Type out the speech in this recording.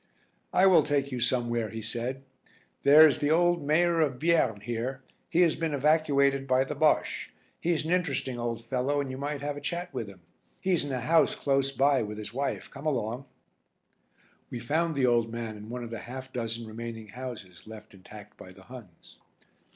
"I will take you somewhere," he said. "There is the old Mayor of Bierne here. He has been evacuated by the Bosche. He's an interesting old fellow and you might have a chat with him. He is in a house close by with his wife. Come along." We found the old man in one of the half dozen remaining houses left intact by the Huns.